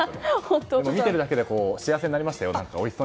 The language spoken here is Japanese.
見てるだけで幸せになりましたよ。